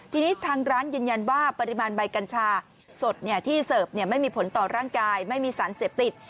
ทีนี้ทางร้านยืนยันว่าปริมาณใบกัญชาสดที่เสิร์ฟไม่มีผลต่อร่างกายไม่มีสารเสพติด